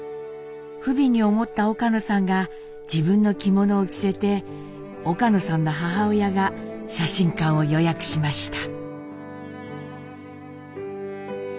不憫に思った岡野さんが自分の着物を着せて岡野さんの母親が写真館を予約しました。